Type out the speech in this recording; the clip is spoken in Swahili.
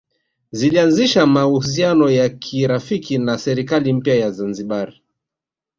Zilianzisha mahusiano ya kirafiki na serikali mpya ya Zanzibar